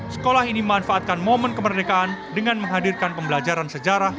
sekolah ini memanfaatkan momen kemerdekaan dengan menghadirkan pembelajaran sejarah